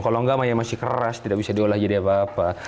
kalau nggak masih keras tidak bisa diolah jadi apa apa